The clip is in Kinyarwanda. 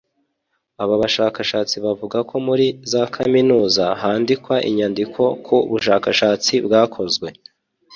Aba bashakashatsi bavuga ko muri za kaminuza handikwa inyandiko ku bushakashatsi bwakozwe